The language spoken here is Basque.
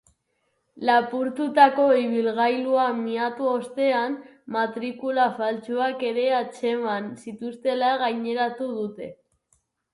Lapurtutako ibilgailua miatu ostean, matrikula faltsuak ere atzeman zituztela gaineratu dute.